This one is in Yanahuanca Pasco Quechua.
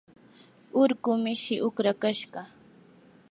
urqu mishii uqrakashqa.